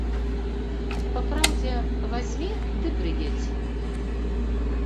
Папраўдзе, вазьмі ды прыедзь.